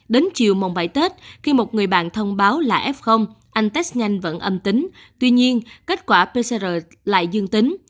đến chiều mồng bảy tết khi một người bạn thông báo là f anh test nhanh vẫn âm tính tuy nhiên kết quả pcr lại dương tính